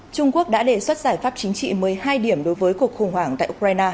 trung quốc đã đề xuất giải pháp chính trị một mươi hai điểm đối với cuộc khủng hoảng tại ukraine